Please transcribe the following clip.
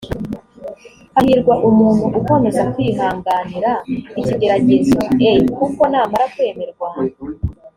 hahirwa umuntu ukomeza kwihanganira ikigeragezo e kuko namara kwemerwa